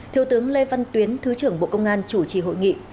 thiếu tướng lê văn tuyến thứ trưởng bộ công an chủ trì hội nghị